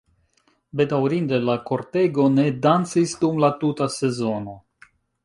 Bedaŭrinde, la kortego ne dancis dum la tuta sezono.